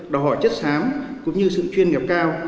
đòi hỏi chất sáng cũng như sự chuyên nghiệp cao